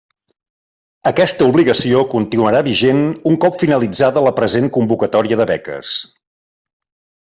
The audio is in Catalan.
Aquesta obligació continuarà vigent un cop finalitzada la present convocatòria de beques.